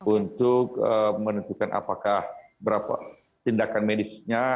untuk menentukan apakah berapa tindakan medisnya